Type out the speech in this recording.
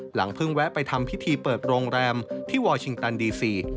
หลังเพิ่งแวะไปทำพิธีเปิดโรงแรมที่วอร์ชิงตันดีซี